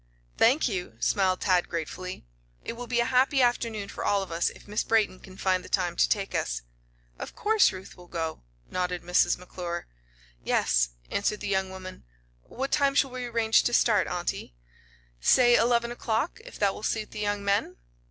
"Thank you," smiled Tad gratefully. "It will be a happy afternoon for all of us if Miss Brayton can find the time to take us." "Of course Ruth will go," nodded Mrs. McClure. "Yes," answered the young woman. "What time shall we arrange to start, auntie?" "Say eleven o'clock, if that will suit the young men."